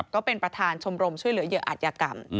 ก็เป็นประธานชมรมช่วยเหลือเหยื่ออาจยากรรม